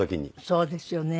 そうですよね。